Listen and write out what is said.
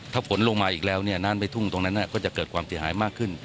ถ้าฝนลงมาอีกแล้วเนี่ยน้ำในทุ่งตรงนั้นก็จะเกิดความเสียหายมากขึ้น